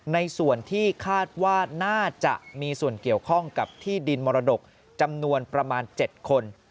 ในส่วนที่คาดว่าน่าจะมีส่วนเกี่ยวข้องกับที่ดินมรดกจำนวนประมาณ๗คน